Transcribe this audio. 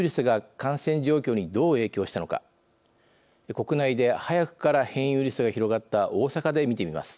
国内で早くから変異ウイルスが広がった大阪で見てみます。